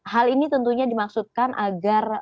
hal ini tentunya dimaksudkan agar